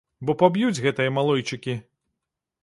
Бо паб'юць гэтыя малойчыкі.